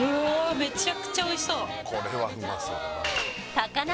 めちゃくちゃおいしそうたかな